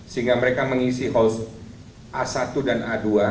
sehingga mereka mengisi a satu dan a dua